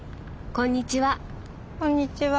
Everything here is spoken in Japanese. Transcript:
こんにちは。